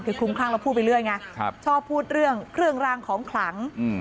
คือคลุมคลั่งแล้วพูดไปเรื่อยไงชอบพูดเรื่องเครื่องรางของขลัง